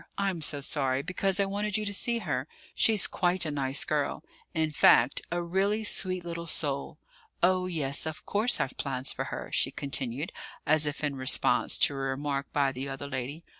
I'm so sorry, because I wanted you to see her. She's quite a nice girl in fact, a really sweet little soul. Oh, yes, of course, I've plans for her," she continued, as if in response to a remark by the other lady.